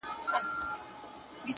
نړوم غرونه د تمي ـ له اوږو د ملایکو ـ